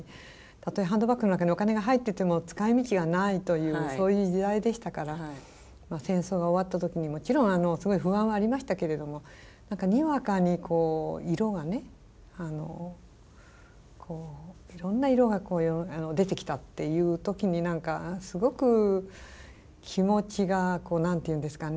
たとえハンドバッグの中にお金が入ってても使いみちがないというそういう時代でしたから戦争が終わった時にもちろんすごい不安はありましたけれども何かにわかにこう色がねいろんな色が出てきたっていう時に何かすごく気持ちが何て言うんですかね